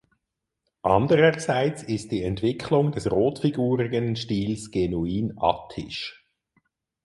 Andererseits ist die Entwicklung des rotfigurigen Stil genuin attisch.